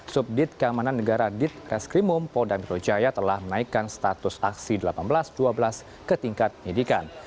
subdit kamanan negara dit reskrimum polda metro jaya telah menaikkan status aksi delapan belas dua belas ke tingkat pendidikan